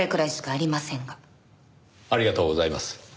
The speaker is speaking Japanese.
ありがとうございます。